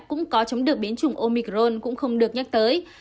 cũng có chống được biến chủng omicron cũng không được nhắc tới